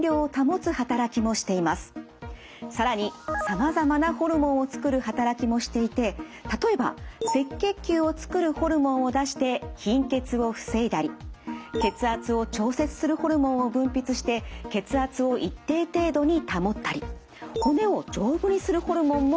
更にさまざまなホルモンをつくる働きもしていて例えば赤血球をつくるホルモンを出して貧血を防いだり血圧を調節するホルモンを分泌して血圧を一定程度に保ったり骨を丈夫にするホルモンも出しています。